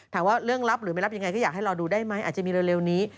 ถามว่าเรื่องรับหรือไม่รับยังไงก็อยากให้รอดูได้ไหมอาจจะมีเร็วนี้